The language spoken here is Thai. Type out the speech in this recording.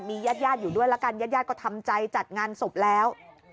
มีญาติอยู่ด้วยล่ะกันญาติก็ทำใจจัดงานศพแล้ว